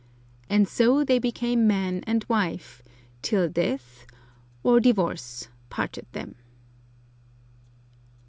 And so they became man and wife till death or divorce parted them.